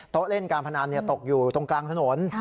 เล่นการพนันตกอยู่ตรงกลางถนน